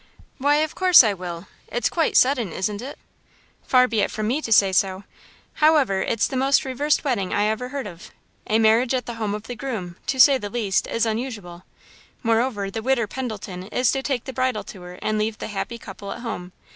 "Why, of course I will; it's quite sudden, isn't it?" "Far be it from me to say so. However, it's the most reversed wedding I ever heard of. A marriage at the home of the groom, to say the least, is unusual. Moreover, the 'Widder' Pendleton is to take the bridal tour and leave the happy couple at home.